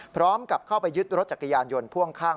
พร้อมกับเข้าไปยึดรถจักรยานยนต์พ่วงข้าง